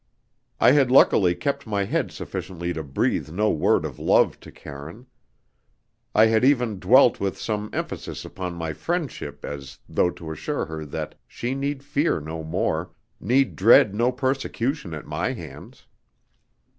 I had luckily kept my head sufficiently to breathe no word of love to Karine. I had even dwelt with some emphasis upon my "friendship," as though to assure her that she need fear no more, need dread no persecution at my hands.